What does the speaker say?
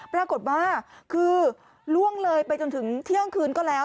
ปรากฏว่าคือล่วงเลยไปจนถึงเที่ยงคืนก็แล้ว